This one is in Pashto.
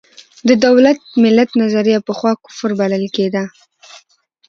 د دولت–ملت نظریه پخوا کفر بلل کېده.